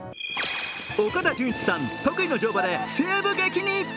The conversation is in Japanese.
岡田准一さん得意の乗馬で西部劇に。